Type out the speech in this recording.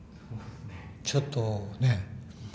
ちょっとね